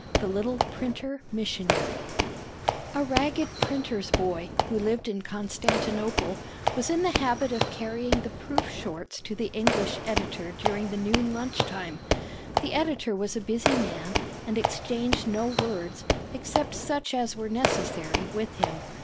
THE LITTLE PRINTER MISSIONARY A ragged printer's boy, who lived in Constantinople, was in the habit of carrying the proof sheets to the English editor during the noon lunch time. The editor was a busy man, and exchanged no words, except such as were necessary, with him.